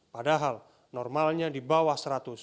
padahal normalnya di bawah seratus